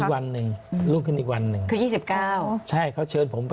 อีกวันนึงลูกเร็วอีกวันนึง